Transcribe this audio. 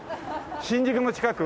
新宿の近く？